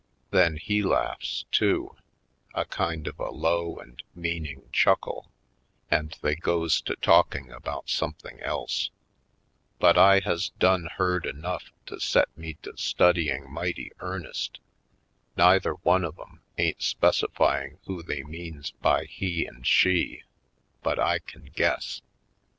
Then he laughs, too, a kind of a low and meaning chuckle, and they goes to talking about something else. But I has done heard enough to set me to studying mighty earnest. Neither one of 'em ain't specifying who they means by "he" and "she" but I can guess.